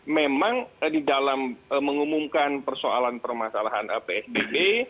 memang di dalam mengumumkan persoalan permasalahan psbb